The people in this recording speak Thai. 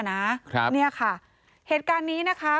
นี่ค่ะเหตุการณ์นี้นะคะ